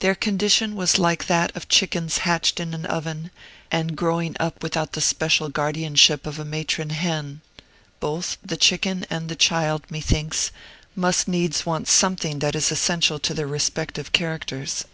Their condition was like that of chickens hatched in an oven, and growing up without the especial guardianship of a matron hen: both the chicken and the child, methinks, must needs want something that is essential to their respective characters.